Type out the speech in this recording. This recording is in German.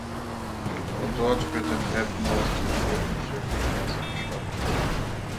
Von dort führt ein Treppenhaus zum Kirchenschiff im ersten Stock.